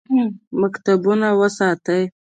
مکتبونه وساتئ